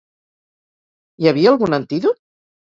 Hi havia algun antídot?